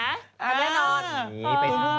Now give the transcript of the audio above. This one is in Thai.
อ่านี่ไปคืนนี้